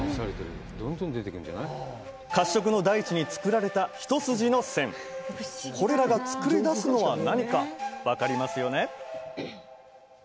褐色の大地に作られた一筋の線これらが作り出すのは何か分かりますよね？